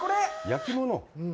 焼き物？